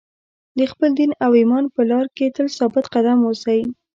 د خپل دین او ایمان په لار کې تل ثابت قدم اوسئ.